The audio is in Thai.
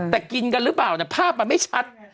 แต่กินกันหรือเปล่าภาพมันไม่ชัด